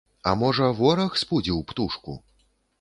А можа, вораг спудзіў птушку?